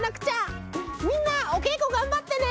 みんなおけいこがんばってね！